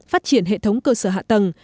phát triển hệ thống cơ sở hạ tầng